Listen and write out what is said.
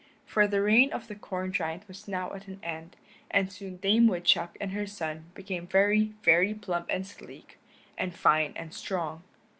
For the reign of the corn giant was now at an end, and soon Dame Woodchuck and her son became very, very plump and sleek, and fine and strong.